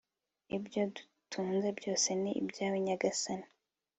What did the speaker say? r/ ibyo dutunze byose ni ibyawe, nyagasani